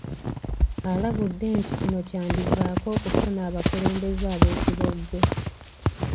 Alabudde nti kino kyandivaako okufuna abakulembeze ab'ekibogwe.